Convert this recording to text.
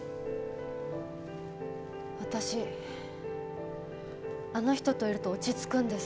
私あの人といると落ち着くんです！